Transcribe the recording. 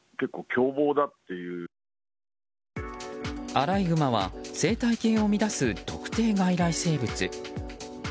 アライグマは生態系を乱す特定外来生物。